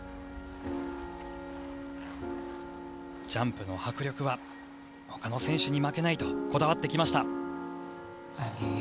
ジャンプの迫力はほかの選手に負けないとこだわってきました。